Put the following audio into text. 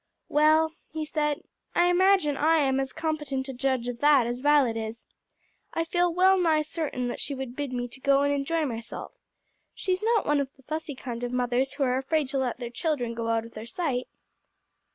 "Well," he said, "I imagine I am as competent a judge of that as Violet is. I feel well nigh certain that she would bid me go and enjoy myself. She's not one of the fussy kind of mothers who are afraid to let their children stir out of their sight."